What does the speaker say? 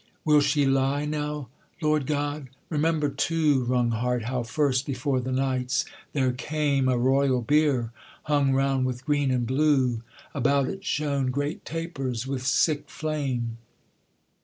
'Will she lie now, Lord God?' 'Remember too, Wrung heart, how first before the knights there came A royal bier, hung round with green and blue, About it shone great tapers with sick flame.